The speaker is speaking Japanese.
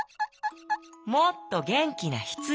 「もっとげんきなヒツジ」。